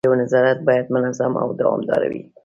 بررسي او نظارت باید منظم او دوامداره وي.